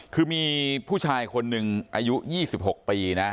คือมีผู้ชายคนหนึ่งอายุ๒๖ปีนะ